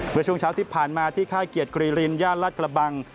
เมื่อช่วงเช้าที่ผ่านมาที่ค่ายเกียรติกรีรินย่านรัฐกระบัง